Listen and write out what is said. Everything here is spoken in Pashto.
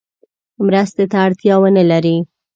مرستې ته اړتیا ونه لري.